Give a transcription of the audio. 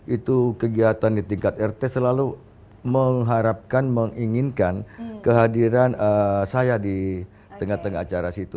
itu kegiatan di tingkat rt selalu mengharapkan menginginkan kehadiran saya di tengah tengah acara situ